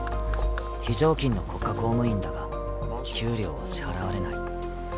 非常勤の国家公務員だが給料は支払われない。